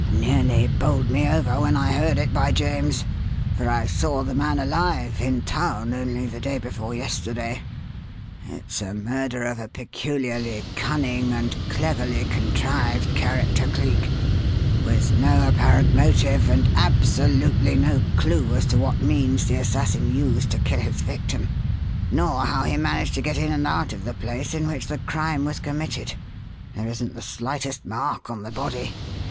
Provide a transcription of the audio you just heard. Nearly bowled me over when I heard it, by James! for I saw the man alive in town only the day before yesterday. It's a murder of a peculiarly cunning and cleverly contrived character, Cleek, with no apparent motive, and absolutely no clue as to what means the assassin used to kill his victim, nor how he managed to get in and out of the place in which the crime was committed. There isn't the slightest mark on the body.